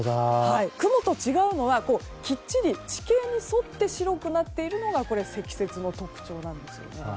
雲と違うのはきっちり地形に沿って白くなっているのが積雪の特徴なんです。